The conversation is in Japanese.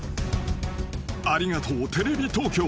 ［ありがとうテレビ東京］